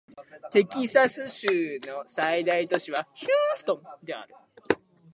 テキサス州の最大都市はヒューストンである